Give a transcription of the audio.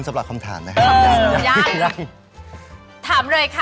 เชิญคำถามค่ะขอคำถามค่ะค่ะ